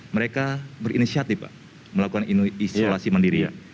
mereka berinisiatif pak melakukan isolasi mandiri